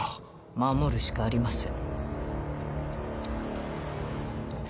守るしかありません。